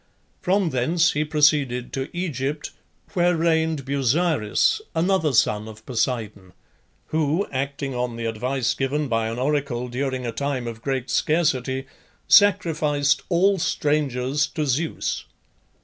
From thence he proceeded to Egypt, where reigned Busiris, another son of Poseidon, who (acting on the advice given by an oracle during a time of great scarcity) sacrificed all strangers to Zeus.